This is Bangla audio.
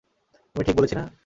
আমি ঠিক বলেছি না?